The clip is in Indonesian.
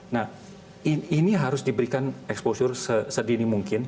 nah ini harus diberikan exposure sedini mungkin